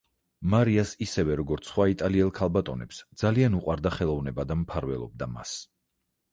მარიას ისევე, როგორც სხვა იტალიელ ქალბატონებს ძალიან უყვარდა ხელოვნება და მფარველობდა მას.